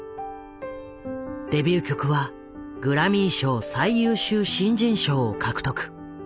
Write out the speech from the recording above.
デビュー曲はグラミー賞最優秀新人賞を獲得。